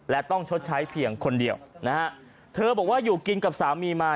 และต้องชดใช้เพียงคนเดียวนะฮะเธอบอกว่าอยู่กินกับสามีมา